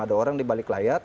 ada orang dibalik layak